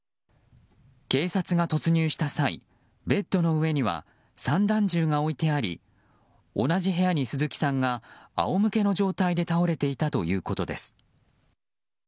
警察が突入した際ベッドの上には散弾銃が置いてあり同じ部屋に鈴木さんが仰向けの状態で倒れていたということです。